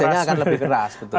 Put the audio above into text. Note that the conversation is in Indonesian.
kerjanya akan lebih keras betul